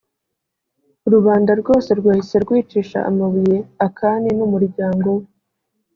rubanda rwose rwahise rwicisha amabuye akani n’ umuryango we.